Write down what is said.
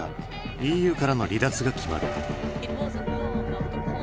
ＥＵからの離脱が決まる。